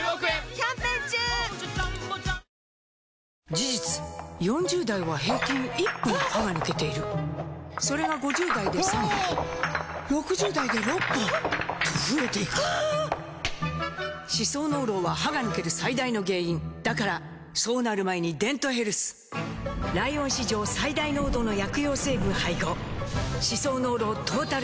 事実４０代は平均１本歯が抜けているそれが５０代で３本６０代で６本と増えていく歯槽膿漏は歯が抜ける最大の原因だからそうなる前に「デントヘルス」ライオン史上最大濃度の薬用成分配合歯槽膿漏トータルケア！